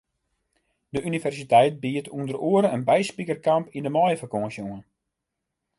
De universiteit biedt ûnder oare in byspikerkamp yn de maaiefakânsje oan.